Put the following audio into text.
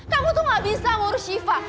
kamu tuh gak bisa ngurus shiva